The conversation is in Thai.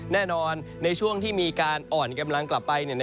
ในช่วงที่มีการอ่อนกำลังกลับไป